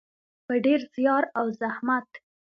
په ډیر زیار او زحمت.